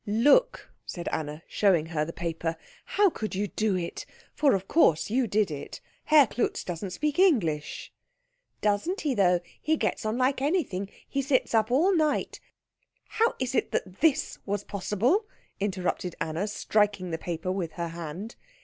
"Look," said Anna, showing her the paper, "how could you do it? For of course you did it. Herr Klutz doesn't speak English." "Doesn't he though he gets on like anything. He sits up all night " "How is it that this was possible?" interrupted Anna, striking the paper with her hand.